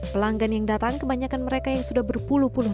pelanggan yang datang kebanyakan mereka yang sudah berpulang